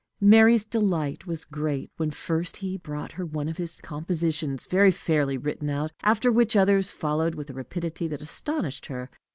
Mary's delight was great when first he brought her one of his compositions very fairly written out after which others followed with a rapidity that astonished her.